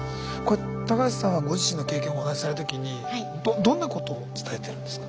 橋さんはご自身の経験お話しされる時にどんなことを伝えてるんですか。